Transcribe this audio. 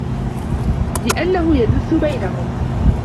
لِأَنَّهُ يَدُثُّ بَيْنَهُمْ